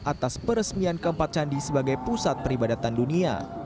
atas peresmian keempat candi sebagai pusat peribadatan dunia